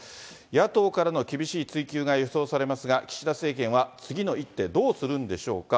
野党からの厳しい追及が予想されますが、岸田政権は次の一手、どうするんでしょうか。